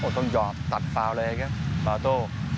ต้องหยอบตัดฟาวเลยครับบอลโต้